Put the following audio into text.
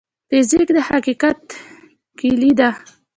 فزیک د حقیقت کلي ده.